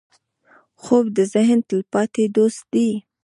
خوب د ذهن تلپاتې دوست دی